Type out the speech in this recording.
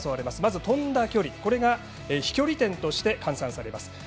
まず飛んだ距離これが飛距離点として換算されます。